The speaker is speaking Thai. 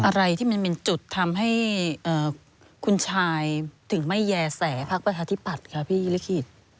อะไรที่มันเป็นจุดทำให้คุณชายถึงไม่แย่แสพักประชาธิปัตย์ค่ะพี่ลิขิต